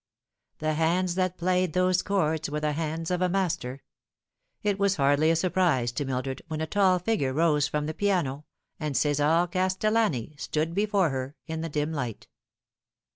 The hands that played those chords were the hands of a master. It was hardly a surprise to Mildred when a tall figure rose from the piano, and Cesar Castellani stood before her in the dim light.